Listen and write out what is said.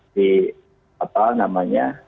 di apa namanya